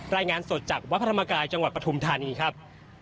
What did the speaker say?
รายงานสดจากวัดพระธรรมกายจังหวัดปฐุมธานีครับ